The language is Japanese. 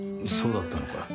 そうだったのか。